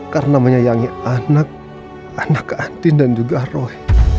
karena menyayangi anak anak keantin dan juga roy